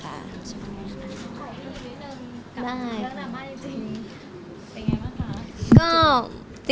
ขอบคุณนิดนึงกับเรื่องหน้ามาจริงเป็นยังไงบ้างคะ